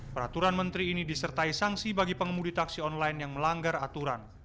peraturan menteri ini disertai sanksi bagi pengemudi taksi online yang melanggar aturan